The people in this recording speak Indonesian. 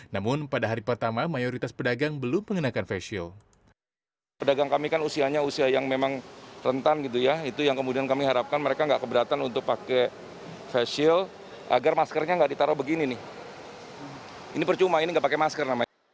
namun pada hari pertama mayoritas pedagang belum mengenakan facial